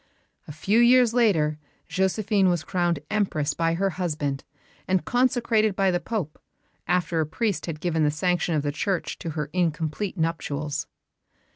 A few years later Josephine was crowned Empress by her husband, and consecrated by the Pope, after a priest had given the sanction of the Church to her incomplete nuptials.